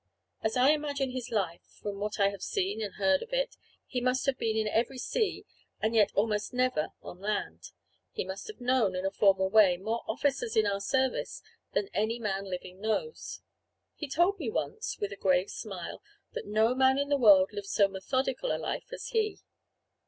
As I imagine his life, from what I have seen and heard of it, he must have been in every sea, and yet almost never on land. He must have known, in a formal way, more officers in our service than any man living knows. He told me once, with a grave smile, that no man in the world lived so methodical a life as he.